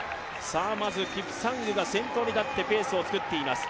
まずキプサングが先頭に立ってペースを作っています。